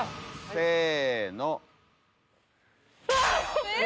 せの！